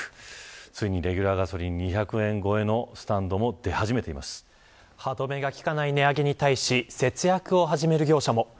ついにレギュラーガソリンが２００円超えのスタンドも歯止めが利かない値上げに対し節約を始める業者も。